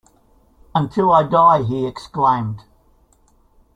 Until I die, he exclaimed.